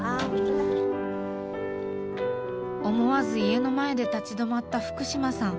思わず家の前で立ち止まった福島さん。